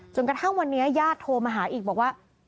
กระทั่งวันนี้ญาติโทรมาหาอีกบอกว่า